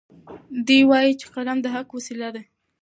دی وایي چې قلم د حق وسیله ده.